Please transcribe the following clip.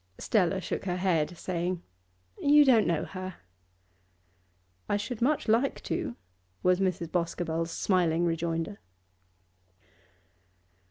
Stella shook her head, saying, 'You don't know her.' 'I should much like to,' was Mrs. Boscobel's smiling rejoinder.